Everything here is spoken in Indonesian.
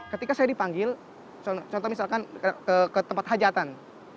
ketika saya dipanggil contoh misalkan ke tempat hajatan